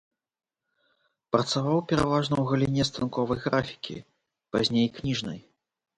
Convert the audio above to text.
Працаваў пераважна ў галіне станковай графікі, пазней кніжнай.